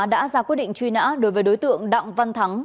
đã ra quyết định truy nã đối với đối tượng đặng văn thắng